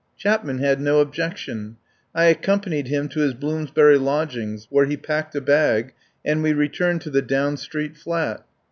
Chapman had no objection. I accompa nied him to his Bloomsbury lodgings, where he packed a bag, and we returned to the Down Street flat.